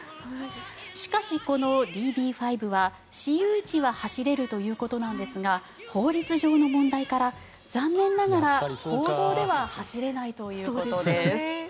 しかし、このＤＢ５は私有地は走れるということなんですが法律上の問題から残念ながら公道では走れないということです。